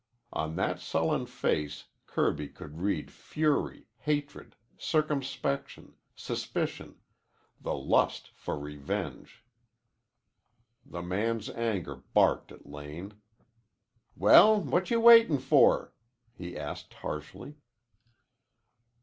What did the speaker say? On that sullen face Kirby could read fury, hatred, circumspection, suspicion, the lust for revenge. The man's anger barked at Lane. "Well, what you waitin' for?" he asked harshly.